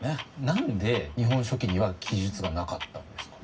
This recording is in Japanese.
何で「日本書紀」には記述がなかったんですか？